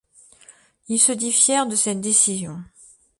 Il se dit fier de cette décision.